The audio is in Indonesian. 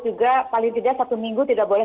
juga paling tidak satu minggu tidak boleh